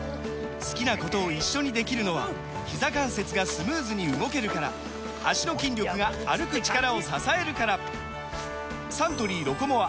好きなことを一緒にできるのはひざ関節がスムーズに動けるから脚の筋力が歩く力を支えるからサントリー「ロコモア」！